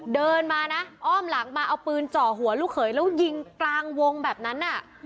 เดินมานะอ้อมหลังมาเอาปืนเจาะหัวลูกเขยแล้วยิงกลางวงแบบนั้น